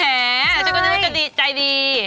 แหมจักรนั่นมันจะดีใจดี